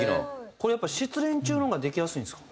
これやっぱ失恋中の方ができやすいんですか？